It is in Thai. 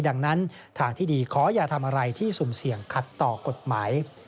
ดังนั้นทางที่ดีขออย่าทำอะไรที่สุ่มเสี่ยงขัดต่อกฎหมาย